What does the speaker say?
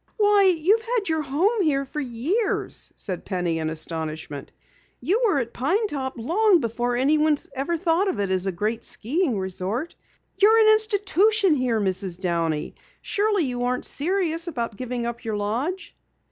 "Why, you've had your home here for years," said Penny in astonishment. "You were at Pine Top long before anyone thought of it as a great skiing resort. You're an institution here, Mrs. Downey. Surely you aren't serious about giving up your lodge?"